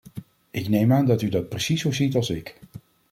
Ik neem aan dat u dat precies zo ziet als ik.